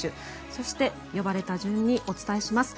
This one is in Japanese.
そして呼ばれた順にお伝えします。